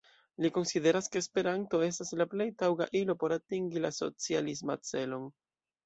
Li konsideras, ke Esperanto estas la plej taŭga ilo por atingi la socialisman celon.